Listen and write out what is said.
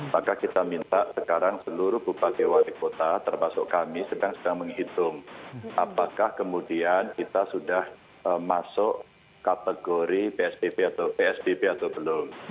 maka kita minta sekarang seluruh bupakewa di kota termasuk kami sedang menghitung apakah kemudian kita sudah masuk kategori psbb atau belum